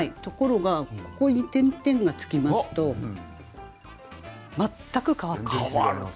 ところがここに点々がつきますと全く変わってしまう。